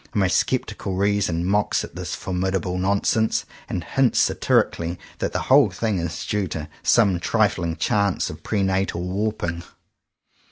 My sceptical reason mocks at this formidable nonsense, and hints satirically that the whole thing is due to some trifling chance of pre natal warping.